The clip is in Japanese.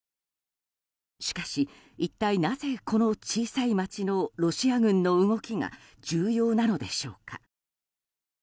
しかし、一体なぜこの小さい街のロシア軍の動きが重要なのでしょうか。